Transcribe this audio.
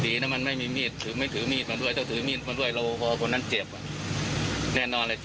ดีนะมันไม่มีมีดถือไม่ถือมีดมาด้วยถ้าถือมีดมาด้วยก็คนนั้นเจ็บอ่ะ